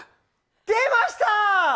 出ました。